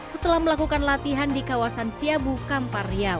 setelah melakukan latihan di kawasan siabu kampar riau